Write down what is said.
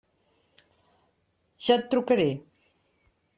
Ja et trucaré.